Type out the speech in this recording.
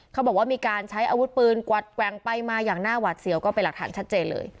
เขาบอกว่ามีการใช้อาวุธปืนกวัดแกว่งไปมาอย่างหน้าหวาดเสียวก็เป็นหลักฐานชัดเจนเลย